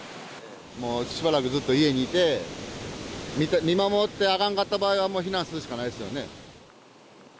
もうしばらくずっと家にいて、見守って、あかんかった場合はもう避難するしかないですよね。